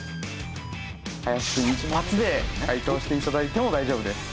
林くん一発で解答して頂いても大丈夫です。